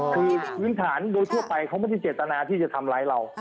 คือพื้นฐานโดยทั่วไปเขาไม่ได้เจตนาที่จะทำร้ายเรา